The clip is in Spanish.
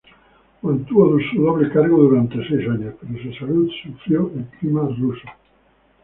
Mantuvo su doble cargo durante seis años pero su salud sufrió el clima ruso.